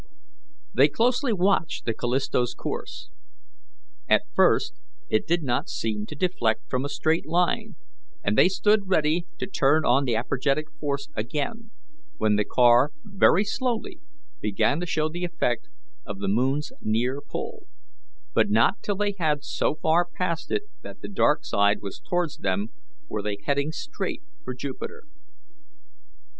They closely watched the Callisto's course. At first it did not seem to deflect from a straight line, and they stood ready to turn on the apergetic force again, when the car very slowly began to show the effect of the moon's near pull; but not till they had so far passed it that the dark side was towards them were they heading straight for Jupiter.